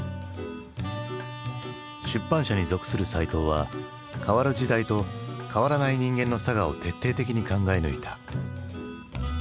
出版社に属する齋藤は変わる時代と変わらない人間のさがを徹底的に考え抜いた。